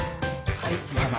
はい。